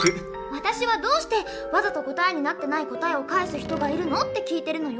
私は「どうしてわざと答えになってない答えを返す人がいるの？」って聞いてるのよ。